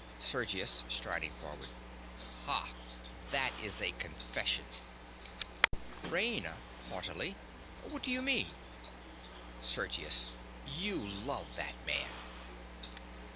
SERGIUS. (striding forward). Ha! That is a confession. RAINA. (haughtily). What do you mean? SERGIUS. You love that man!